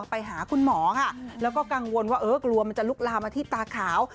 ไปหาคุณหมอค่ะแล้วก็กังวลว่าเออกลัวมันจะลุกลามมาที่ตาขาว